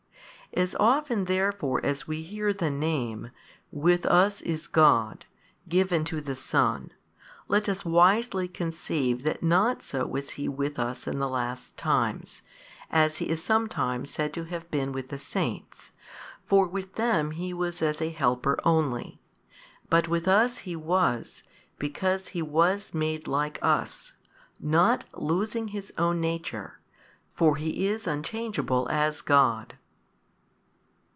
As often therefore as we hear the name, With us is God, given to the Son, let us wisely conceive that not so was He with us in the last times, as He is sometimes said to have been with the saints, for with them He was as a helper only: but with us He was, because He was made like us, not losing His own nature, for He is unchangeable as God.